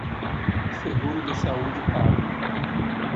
Seguro de saúde pago